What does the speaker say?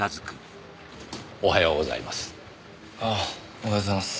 おはようございます。